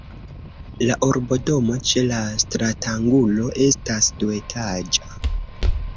La urbodomo ĉe la stratangulo estas duetaĝa.